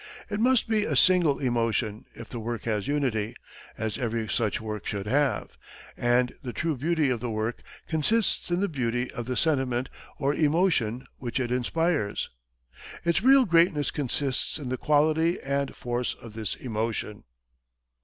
It must be a single emotion, if the work has unity, as every such work should have, and the true beauty of the work consists in the beauty of the sentiment or emotion which it inspires. Its real greatness consists in the quality and force of this emotion."